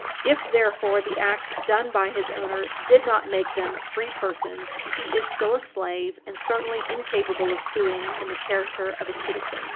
If, therefore, the acts done by his owner did not make them free persons, he is still a slave, and certainly incapable of suing in the character of a citizen.